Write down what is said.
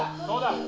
そうだ！